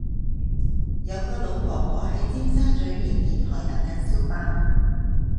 有個老婆婆喺尖沙咀緬甸台等緊小巴